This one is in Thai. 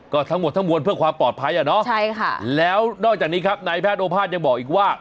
ก็ทั้งหมดทั้งมวลเพื่อความปลอดภัยอ่ะเนาะใช่ค่ะแล้วนอกจากนี้ครับนายแพทย์โอภาษยังบอกอีกว่า